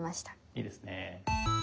いいですね。